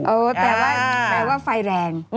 แปลว่าไฟแรง